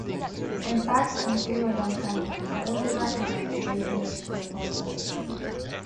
In fact, some thelodont families are only recognised based on their scale fossils.